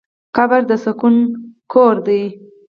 قبر د سکون کور دی.